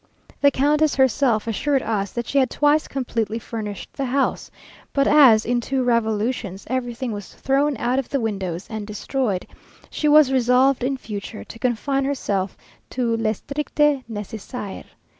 The countess herself assured us that she had twice completely furnished the house, but as, in two revolutions, everything was thrown out of the windows and destroyed, she was resolved in future to confine herself to _le stricte nécessaire.